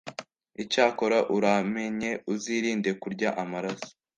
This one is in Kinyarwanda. icyakora, uramenye uzirinde kurya amaraso,